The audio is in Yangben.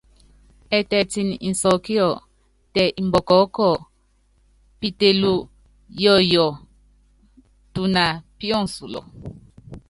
Ɛtɛɛtini insɔkíɔ, tɛ imbɔkɔɔ́kɔ, pitelu yɔɔyɔ, tuna píɔnsulɔ.